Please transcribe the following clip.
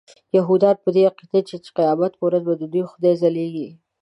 یهودان په دې عقیده دي چې د قیامت په ورځ به ددوی خدای ځلیږي.